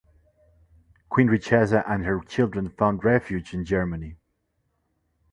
Queen Richeza and her children found refuge in Germany.